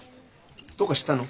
どうかしたの？